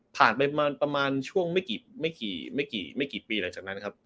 ไปประมาณช่วงไม่กี่ปีหลังจากนั้นครับ